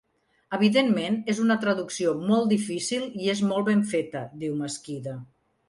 Evidentment és una traducció molt difícil i és molt ben feta –diu Mesquida–.